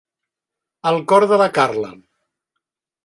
El cor de la Carla.